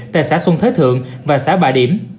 tại xã xuân thế thượng và xã bà điểm